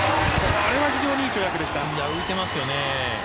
非常にいい跳躍でした。